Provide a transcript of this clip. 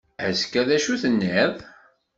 Azekka, d acu tenniḍ?